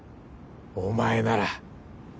お前なら。